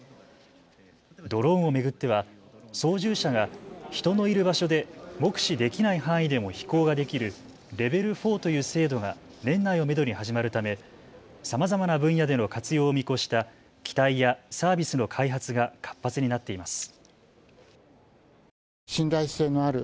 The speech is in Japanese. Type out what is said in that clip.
ドローンを巡っては操縦者が人のいる場所で目視できない範囲でも飛行ができるレベル４という制度が年内をめどに始まるためさまざまな分野での活用を見越した機体やサービスの開発が活発になっています。